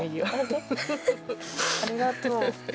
ありがとう。